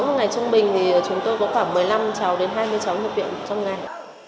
một ngày trung bình thì chúng tôi có khoảng một mươi năm cháu đến hai mươi cháu nhập viện trong ngày